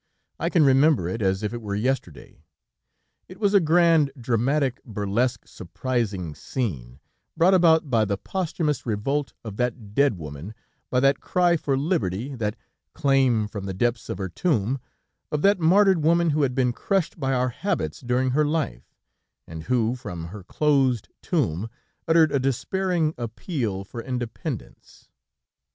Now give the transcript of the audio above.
I can remember it, as if it were yesterday. It was a grand, dramatic, burlesque, surprising scene, brought about by the posthumous revolt of that dead woman, by that cry for liberty, that claim from the depths of her tomb, of that martyred woman who had been crushed by our habits during her life, and, who, from her closed tomb, uttered a despairing appeal for independence.